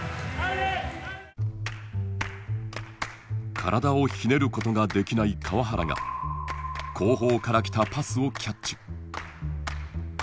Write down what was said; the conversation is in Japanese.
体をひねることができない川原が後方から来たパスをキャッチ。